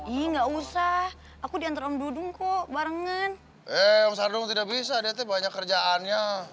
enggak usah aku diantar om dudung kok barengen yang sadung tidak bisa dite banyak kerjaannya